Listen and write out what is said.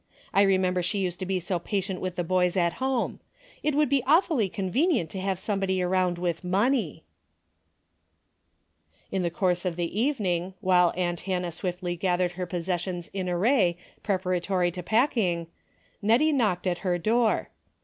I remember she used to be so pa tient with the boys at home. It would be awfully convenient to have somebody around with money." 116 A DAILY RATE. In the course of the evening, while aunt Hannah swiftly gathered her possessions in array preparatory to packing, Hettie knocked at her door.